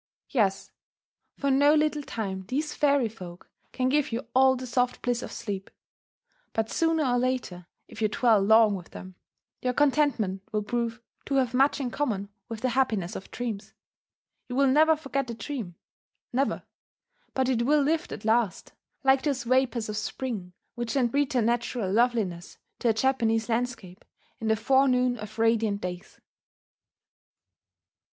Yes for no little time these fairy folk can give you all the soft bliss of sleep. But sooner or later, if you dwell long with them, your contentment will prove to have much in common with the happiness of dreams. You will never forget the dream, never; but it will lift at last, like those vapours of spring which lend preternatural loveliness to a Japanese landscape in the forenoon of radiant days.